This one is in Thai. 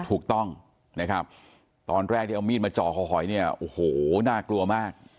ถูกต้องนะครับตอนแรกที่เอามีดมาจ่อคอหอยเนี่ยโอ้โหน่ากลัวมาก